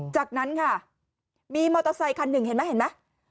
จากนั้นค่ะมีมอเตอร์ไซคันหนึ่งเห็นไหมเห็นไหม